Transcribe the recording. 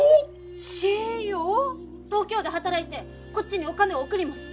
東京で働いてこっちにお金を送ります。